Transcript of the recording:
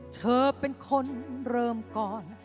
เธอเป็นคนเริ่มก่อน